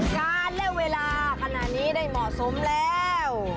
การและเวลาขณะนี้ได้เหมาะสมแล้ว